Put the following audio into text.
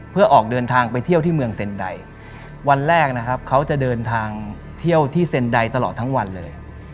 เพื่อออกเดินทางไปเที่ยวที่เมืองเซ็นไดวันแรกนะครับเขาจะเดินทางเที่ยวที่เซ็นไดตลอดทั้งวันเลย